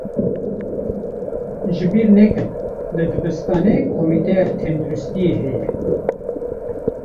Ji bîr nekin, li dibistanê komîteya tenduristiyê heye.